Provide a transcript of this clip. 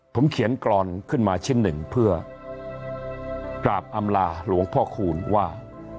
ผมเขียนกรอนขึ้นมาชิ้นหนึ่งเพื่อกราบอำลาหลวงพ่อคูณว่า